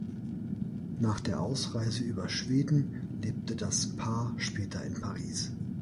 Nach der Ausreise über Schweden lebte das Paar später in Paris.